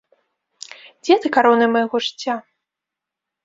Дзе ты, карона майго жыцця?